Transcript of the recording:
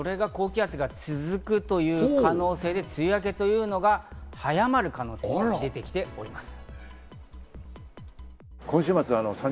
それが高気圧が続く可能性で梅雨明けというのが早まる可能性が出てきております。